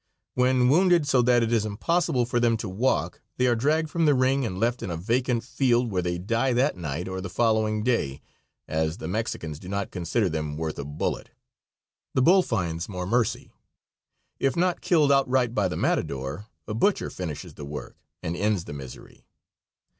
When wounded so that it is impossible for them to walk, they are dragged from the ring and left in a vacant field, where they die that night or the following day, as the Mexicans do not consider them worth a bullet. The bull finds more mercy. If not killed outright by the matador, a butcher finishes the work, and ends the misery.